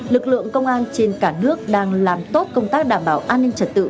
lực lượng công an trên cả nước đang làm tốt công tác đảm bảo an ninh trật tự